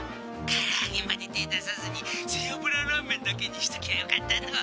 ☎からあげまで手を出さずに背あぶらラーメンだけにしときゃよかったのう。